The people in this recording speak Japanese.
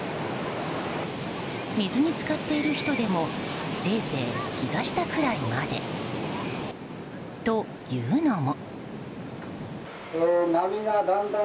水に浸かっている人でもせいぜいひざ下くらいまで。というのも。